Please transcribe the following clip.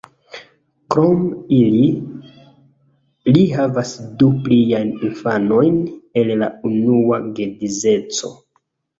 Krom ili, li havas du pliajn infanojn el la unua geedzeco.